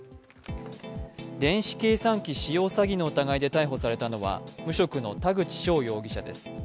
電子計算機使用詐欺の疑いで逮捕されたのは無職の田口翔容疑者です。